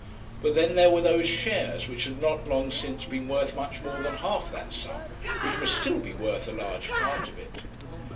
But then there were those shares, which had not long since been worth much more than half that sum, which must still be worth a large part of it.